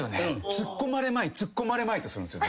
ツッコまれまいツッコまれまいとするんですよ。